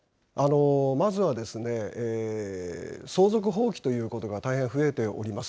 まずはですね、相続放棄ということが大変増えております。